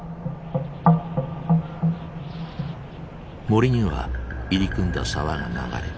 森には入り組んだ沢が流れ